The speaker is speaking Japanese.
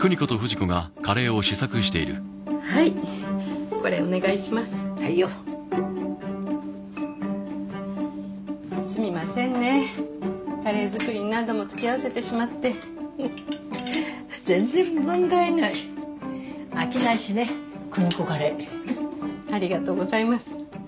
はいこれお願いしますはいよすみませんねカレー作りに何度もつきあわせてしまって全然問題ない飽きないしね邦子カレーありがとうございます